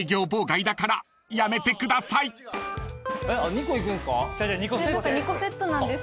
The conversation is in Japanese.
２個いくんすか？